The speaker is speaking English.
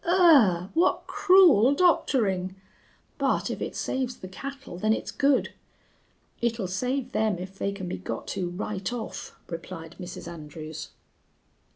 "Ughh!... What cruel doctoring! But if it saves the cattle, then it's good." "It'll save them if they can be got to right off," replied Mrs. Andrews.